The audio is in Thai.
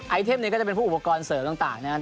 ไอเทมนี้ก็จะเป็นผู้อุปกรณ์เสิร์ฟต่างนะครับ